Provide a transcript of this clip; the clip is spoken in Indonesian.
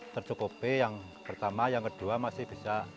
tercukupi yang pertama yang kedua masih bisa